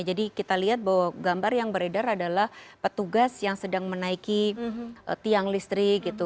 jadi kita lihat bahwa gambar yang beredar adalah petugas yang sedang menaiki tiang listrik gitu